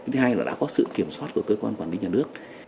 thứ hai là đã có sự kiểm soát của cơ quan quản lý nhà nước